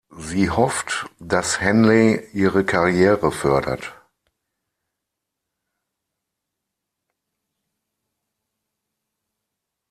Sie hofft, dass Henley ihre Karriere fördert.